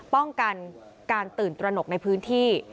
ป้องกันการตื่นตระหนกในพื้นที่